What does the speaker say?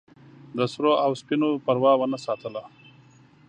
د سرو او سپینو پروا ونه ساتله.